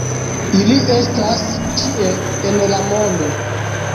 Ili estas ĉie en la mondo.